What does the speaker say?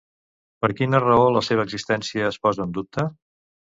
Per quina raó la seva existència es posa en dubte?